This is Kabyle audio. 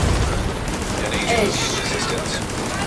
Ajj.